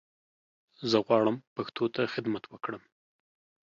زه غواړم پښتو ته خدمت وکړم